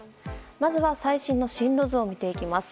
まずは最新の進路図を見ていきます。